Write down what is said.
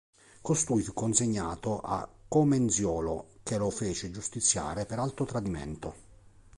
Costui fu consegnato a Comenziolo che lo fece giustiziare per alto tradimento.